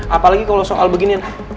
apalagi kalau soal beginian